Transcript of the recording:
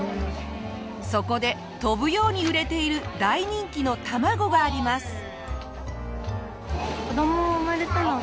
そこで飛ぶように売れている大人気のたまごがあります。